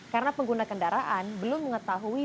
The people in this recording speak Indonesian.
karena pengguna kendaraan belum mengetahui